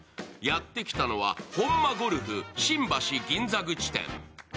やってきたのは、本間ゴルフ新橋銀座口店。